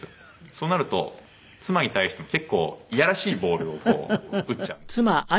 そうなると妻に対しても結構いやらしいボールを打っちゃうんですね。